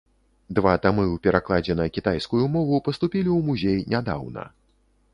Два тамы ў перакладзе на кітайскую мову паступілі ў музей нядаўна.